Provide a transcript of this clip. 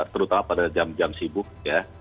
terutama pada jam jam sibuk ya